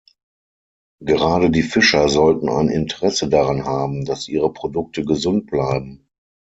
Gerade die Fischer sollten ein Interesse daran haben, dass ihre Produkte gesund bleiben.